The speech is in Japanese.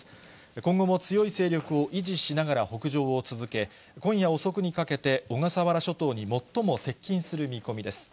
今後も強い勢力を維持しながら北上を続け、今夜遅くにかけて、小笠原諸島に最も接近する見込みです。